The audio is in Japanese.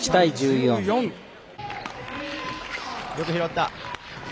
よく拾った。